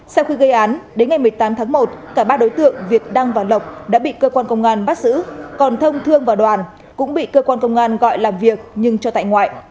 sau khi gây án đến ngày một mươi tám tháng một cả ba đối tượng việt đăng và lộc đã bị cơ quan công an bắt giữ còn thông thương và đoàn cũng bị cơ quan công an gọi làm việc nhưng cho tại ngoại